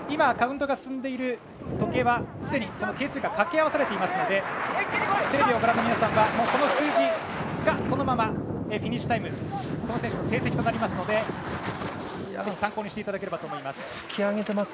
カウントが進んでいる時計はすでに係数が掛け合わされていますのでテレビをご覧の皆さんはこの数字がそのままフィニッシュタイムその選手の成績となるのでぜひ参考にしていただければと思います。